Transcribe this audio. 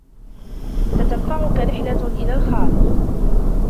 ستنفعك رحلة إلى الخارج.